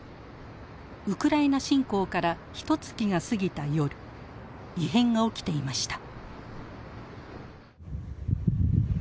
ウクライナ侵攻からひとつきが過ぎた夜異変が起きていました。